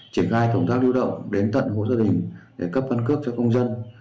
triển khai tổng thác lưu động đến tận hồ gia đình để cấp căn cức cho công dân